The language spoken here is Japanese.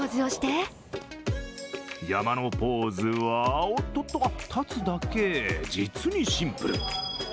山のポーズは立つだけ、実にシンプル。